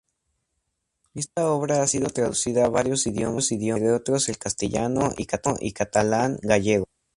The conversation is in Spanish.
Esta obra ha sido traducida varios idiomas entre otros al castellano y catalán, gallego...